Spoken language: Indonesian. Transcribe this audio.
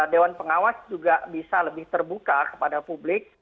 dewan pengawas juga bisa lebih terbuka kepada publik